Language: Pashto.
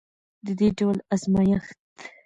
د دې ډول ازمیښت